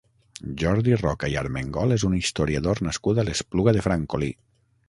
Jordi Roca i Armengol és un historiador nascut a l'Espluga de Francolí.